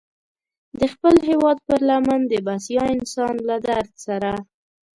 د خپل هېواد پر لمن د بسیا انسان له درد سره.